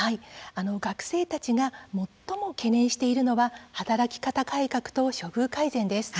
学生たちが最も懸念しているのは働き方改革と処遇改善です。